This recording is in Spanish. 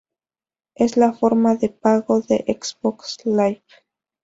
Es la forma de pago de Xbox Live.